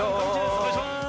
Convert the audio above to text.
お願いします。